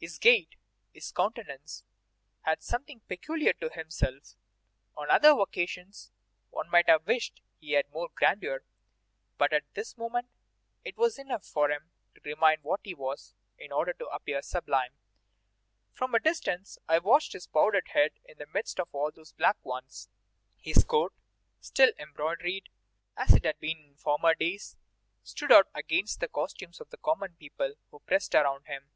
His gait, his countenance, had something peculiar to himself; on other occasions one might have wished he had more grandeur; but at this moment it was enough for him to remain what he was in order to appear sublime. From a distance I watched his powdered head in the midst of all those black ones; his coat, still embroidered as it had been in former days, stood out against the costumes of the common people who pressed around him.